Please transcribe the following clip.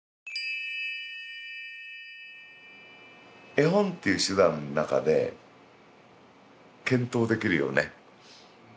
絵本っていう手段の中で検討できるよね。